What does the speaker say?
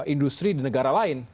industri di negara lain